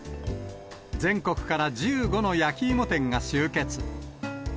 全国から１５の焼き芋店が集結。